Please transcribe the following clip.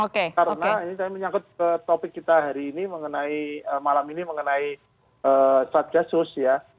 karena ini saya menyangkut ke topik kita hari ini mengenai malam ini mengenai saat gasus ya